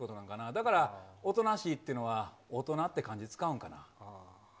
だからおとなしいっていうのは大人って漢字使うんかな。